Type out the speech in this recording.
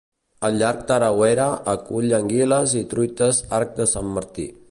El llac Tarawera acull anguiles i truites arc de Sant Martí.